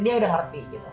dia udah ngerti gitu